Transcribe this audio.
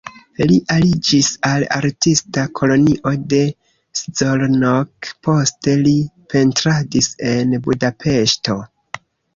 Li aliĝis al artista kolonio de Szolnok, poste li pentradis en Budapeŝto.